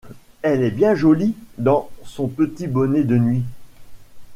Elle est bien jolie dans son petit bonnet de nuit.